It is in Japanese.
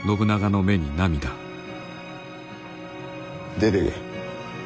出ていけ。